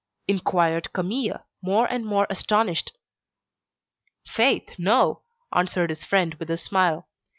inquired Camille, more and more astonished. "Faith, no," answered his friend with a smile.